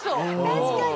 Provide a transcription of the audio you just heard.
確かに。